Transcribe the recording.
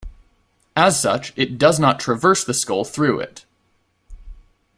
As such it does not traverse the skull through it.